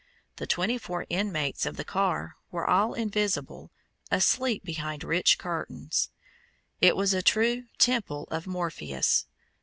The twenty four inmates of the car were all invisible, asleep behind rich curtains. It was a true Temple of Morpheus.